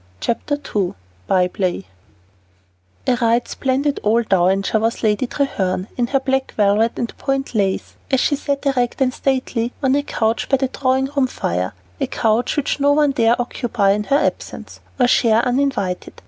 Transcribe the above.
Chapter II BYPLAY A right splendid old dowager was Lady Treherne, in her black velvet and point lace, as she sat erect and stately on a couch by the drawing room fire, a couch which no one dare occupy in her absence, or share uninvited.